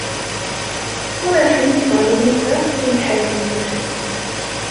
Ur asent-ttɣelliteɣ tibḥirt-nsent.